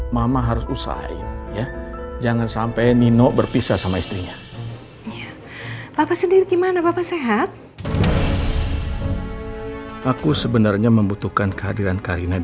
sampai jumpa di video selanjutnya